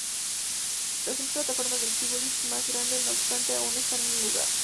Las tres plataformas del zigurat más grande, no obstante, aún están en su lugar.